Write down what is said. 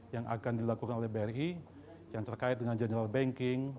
yang akan dilakukan oleh bri yang terkait dengan general banking